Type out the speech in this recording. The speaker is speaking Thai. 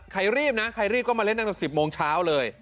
ใครรีบนะใครรีบก็มาเล่นตั้งแต่๑๐โมงเช้าเลย